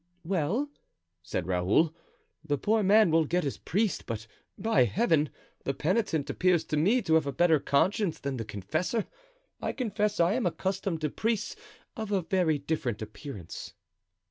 "Well," said Raoul, "the poor man will get his priest, but, by Heaven, the penitent appears to me to have a better conscience than the confessor. I confess I am accustomed to priests of a very different appearance."